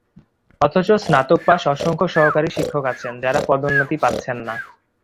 অথচ স্নাতক পাস অসংখ্য সহকারী শিক্ষক আছেন, যাঁরা পদোন্নতি পাচ্ছেন না।